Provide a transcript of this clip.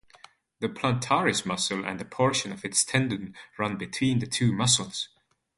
The plantaris muscle and a portion of its tendon run between the two muscles.